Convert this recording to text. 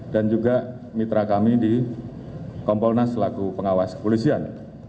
juga mitra kami di kompolnas selaku pengawas kepolisian